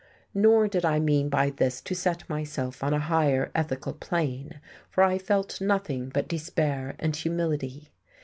Nor did I mean by this to set myself on a higher ethical plane, for I felt nothing but despair and humility.